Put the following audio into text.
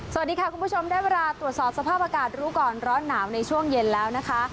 สวัสดีค่ะคุณผู้ชมได้เวลาตรวจสอบสภาพอากาศรู้ก่อนร้อนหนาวในช่วงเย็นแล้วนะคะ